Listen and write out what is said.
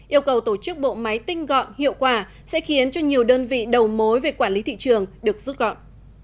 yêu cầu tổ chức bộ máy tinh gọn hiệu quả sẽ khiến cho nhiều đơn vị đầu mối về quản lý thị trường được rút gọn